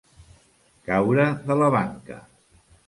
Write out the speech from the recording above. Caure de la banca.